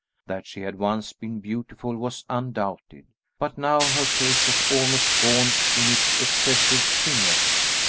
That she had once been beautiful was undoubted, but now her face was almost gaunt in its excessive thinness.